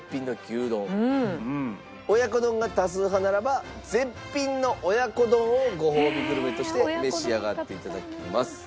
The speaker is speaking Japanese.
親子丼が多数派ならば絶品の親子丼をごほうびグルメとして召し上がって頂きます。